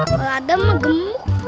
kalau adam mah gemuk